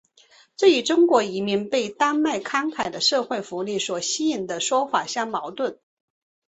这与中国移民被丹麦慷慨的社会福利所吸引的说法相矛盾。